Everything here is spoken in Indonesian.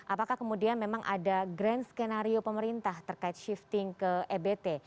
apakah kemudian memang ada grand skenario pemerintah terkait shifting ke ebt